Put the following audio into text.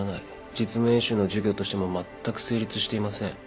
実務演習の授業としてもまったく成立していません。